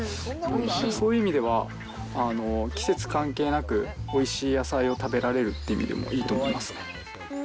そういう意味では、季節関係なく、おいしい野菜を食べられるっていう意味でもいいと思いますね。